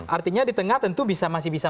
artinya di tengah tentu masih bisa